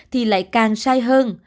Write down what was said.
thì lại càng sai hơn